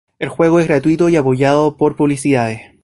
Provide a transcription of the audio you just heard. El juego es gratuito y apoyado por publicidades.